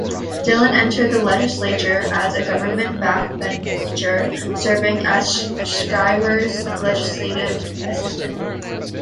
Dillen entered the legislature as a government backbencher, serving as Schreyer's legislative assistant.